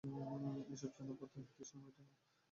এই সব চেনা পথে তাঁর তৃষ্ণা মেটেনি।